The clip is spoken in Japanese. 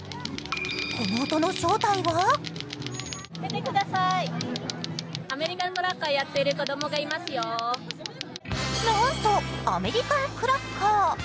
この音の正体はなんとアメリカンクラッカー。